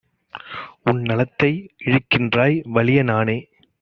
உன்நலத்தை இழுக்கின்றாய்; வலிய நானே